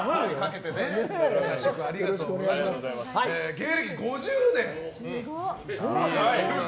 芸歴５０年。